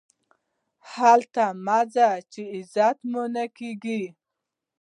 هلته مه ورځئ، چي عزت مو نه کېږي.